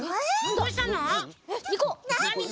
どうしたの？